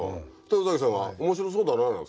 宇崎さんが面白そうだななんて言って。